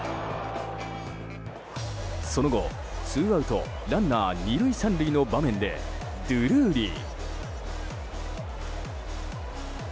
その後、ツーアウトランナー２塁３塁の場面でドゥルーリー。